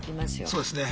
そうですね。